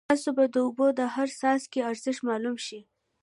تاسو ته به د اوبو د هر څاڅکي ارزښت معلوم شي.